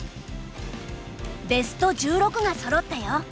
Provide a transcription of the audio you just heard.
ベスト１６がそろったよ。